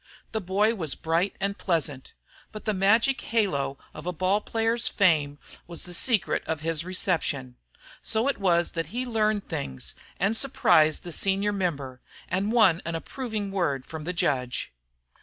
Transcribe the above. The boy was bright and pleasant; but the magic halo of a ball player's fame was the secret of his reception. So it was that he learned things, and surprised the senior member, and won an approving word from the judge.